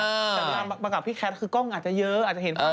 แต่เวลามากับพี่แคทคือกล้องอาจจะเยอะอาจจะเห็นความเยอะ